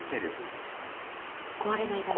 壊れないために？